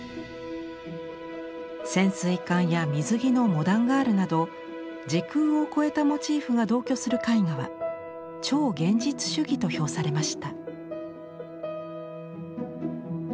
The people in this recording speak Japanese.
潜水艦や水着のモダンガールなど時空を超えたモチーフが同居する絵画は「超現実主義」と評されました。